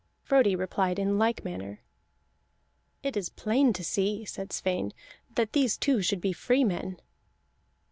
Frodi replied in like manner. "It is plain to see," said Sweyn, "that these two should be free men."